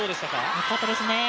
よかったですね。